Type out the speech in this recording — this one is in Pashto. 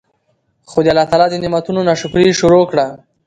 خو د الله تعالی د نعمتونو نا شکري ئي شروع کړه